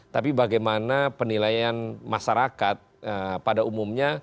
tapi bagaimana penilaian masyarakat pada umumnya